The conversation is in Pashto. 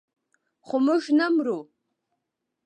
خو موږ نه مرو.